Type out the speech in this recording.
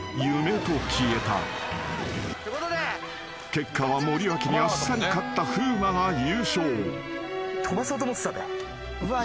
［結果は森脇にあっさり勝った風磨が優勝］